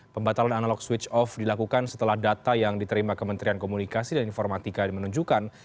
pembatalan analog switch off dilakukan setelah data yang diterima kementerian komunikasi dan informatika menunjukkan